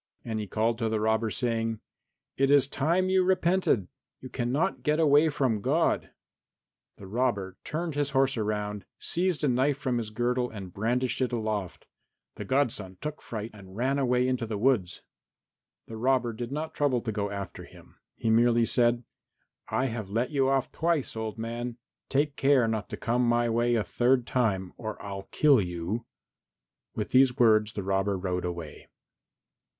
And he called to the robber saying, "It is time you repented. You cannot get away from God." The robber turned his horse round, seized a knife from his girdle and brandished it aloft. The godson took fright and ran away into the wood. The robber did not trouble to go after him, he merely said, "I have let you off twice, old man; take care not to come my way a third time, or I'll kill you." With these words the robber rode away.